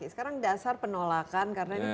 sekarang dasar penolakan karena ini